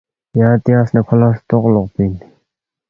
ینگ تیانگس نہ کھو لہ ستروق لوقپی اِن